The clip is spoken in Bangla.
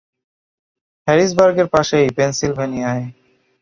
হ্যারিসবার্গের পাশেই, পেন্সিলভেনিয়ায়।